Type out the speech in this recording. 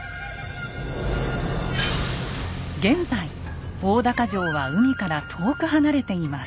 現在大高城は海から遠く離れています。